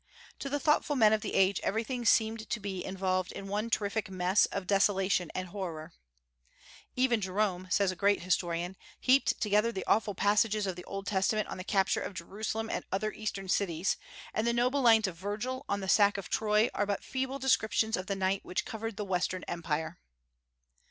To the thoughtful men of the age everything seemed to be involved in one terrific mass of desolation and horror. "Even Jerome," says a great historian, "heaped together the awful passages of the Old Testament on the capture of Jerusalem and other Eastern cities; and the noble lines of Virgil on the sack of Troy are but feeble descriptions of the night which covered the western Empire."